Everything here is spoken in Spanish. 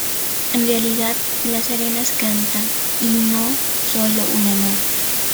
En realidad, las arenas cantan, y no sólo una nota.